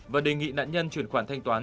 và đề nghị nạn nhân chuyển khoản thanh toán